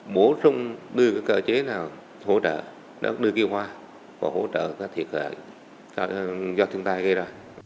mua rung đưa cơ chế nào hỗ trợ đưa kêu hoa và hỗ trợ có thiệt hại do thiên tai gây ra